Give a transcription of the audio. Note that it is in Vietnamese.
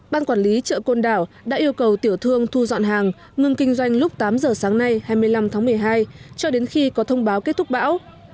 ban quản lý chợ côn đảo đã yêu cầu tiểu thương thu dọn hàng ngừng kinh doanh lúc tám giờ sáng nay hai mươi năm tháng một mươi hai cho đến khi có thông báo kết thúc bão